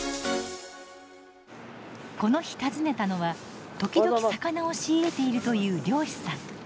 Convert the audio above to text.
この日訪ねたのは時々魚を仕入れているという漁師さん。